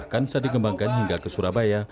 kansa dikembangkan hingga ke surabaya